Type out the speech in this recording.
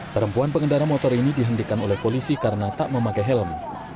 perempuan pengendara motor ini dihentikan oleh polisi karena tak memakai helm